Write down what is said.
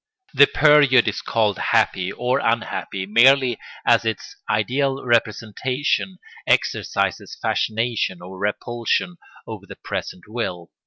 The period is called happy or unhappy merely as its ideal representation exercises fascination or repulsion over the present will.